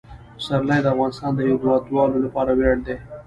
پسرلی د افغانستان د هیوادوالو لپاره ویاړ دی.